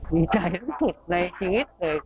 ดีใจสุดในชีวิตเลยค่ะ